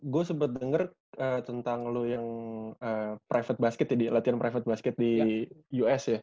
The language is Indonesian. gue sempet denger tentang lo yang private basket latihan private basket di us ya